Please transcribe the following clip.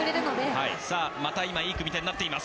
さあまた今いい組み手になっています。